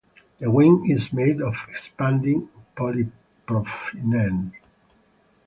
The wing is made of expanded polypropylene.